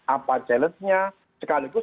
apa challenge nya sekaligus